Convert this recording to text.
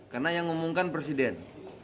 karena yang ngomongkan presiden